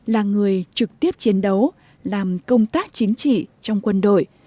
là người trực tiếp chiến đấu làm công tác chính trị trong quân đội